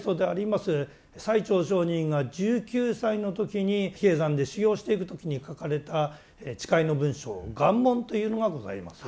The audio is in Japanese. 最澄上人が１９歳の時に比叡山で修行していく時に書かれた誓いの文書「願文」というのがございます。